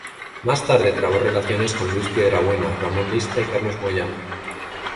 Más tarde trabó relaciones con Luis Piedrabuena, Ramón Lista y Carlos Moyano.